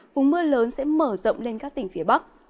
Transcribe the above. vùng mưa lớn sẽ mở rộng lên các tỉnh phía bắc